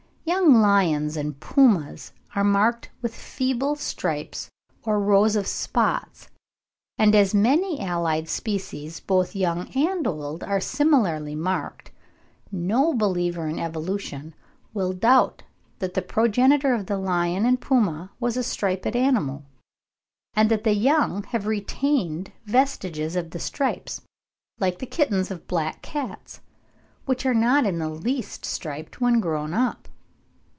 Young lions and pumas are marked with feeble stripes or rows of spots, and as many allied species both young and old are similarly marked, no believer in evolution will doubt that the progenitor of the lion and puma was a striped animal, and that the young have retained vestiges of the stripes, like the kittens of black cats, which are not in the least striped when grown up.